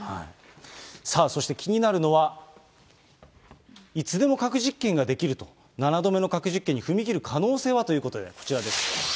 さあ、そして気になるのは、いつでも核実験ができると、７度目の核実験に踏み切る可能性はということで、こちらです。